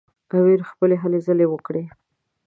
امیر خپلې هلې ځلې وکړې.